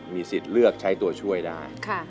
มีสิทธิ์เลือกใช้ตัวช่วยได้